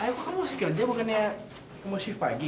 ayah kok kamu masih kerja bukannya kamu shift pagi